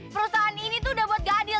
perusahaan ini tuh udah buat gak adil